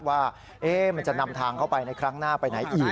ว่ามันจะนำทางเข้าไปในครั้งหน้าไปไหนอีก